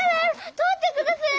取ってくだされ！